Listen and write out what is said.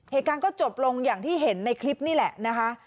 เหตุการณ์ก็จบลงอย่างที่เห็นในคลิปนี่แหละนะคะ